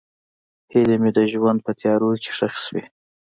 هیلې مې د ژوند په تیارو کې ښخې شوې.